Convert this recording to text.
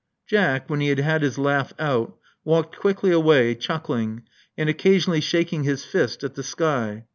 Jack, when he had had his laugh ofl^ walked quickly away, chuckling, and occasionally shaking his fist at the sky.